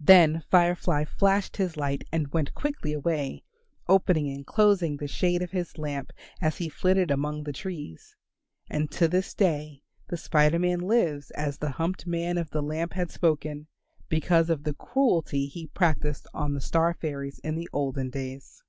Then Fire fly flashed his light and went quickly away, opening and closing the shade of his lamp as he flitted among the trees. And to this day the Spider Man lives as the humped man of the lamp had spoken, because of the cruelty he practised on the star fairies in the olden days.